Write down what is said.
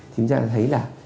chúng ta sẽ thấy là